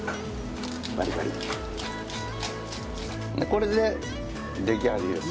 これで出来上がりです。